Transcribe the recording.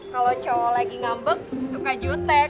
kalau cowok lagi ngambek suka jutek